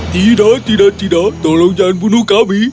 tidak tidak tidak tolong jangan bunuh kami